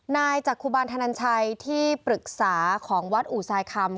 จากครูบาลธนันชัยที่ปรึกษาของวัดอู่สายคำ